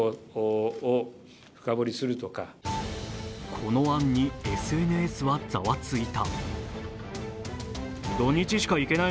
この案にＳＮＳはざわついた。